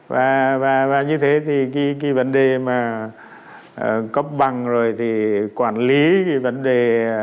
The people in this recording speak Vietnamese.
và như thế thì cái vấn đề mà cấp bằng rồi thì quản lý cái vấn đề